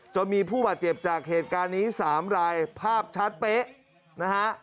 จนมีผู้บาดเจ็บจากเหตุการณ์นี้๓รายภาพชัดเป๊ะนะฮะ